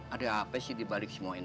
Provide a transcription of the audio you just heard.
ada apa sih dibalik semua ini